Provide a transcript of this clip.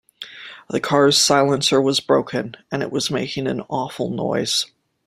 The car’s silencer was broken, and it was making an awful noise